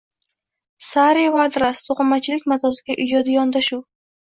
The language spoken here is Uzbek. Sari va adras: to‘qimachilik matosiga ijodiy yondashuvng